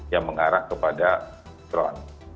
yang mengarah kepada kron